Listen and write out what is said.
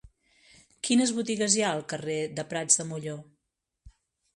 Quines botigues hi ha al carrer de Prats de Molló?